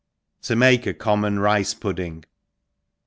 179 To make a common Rice Pudding.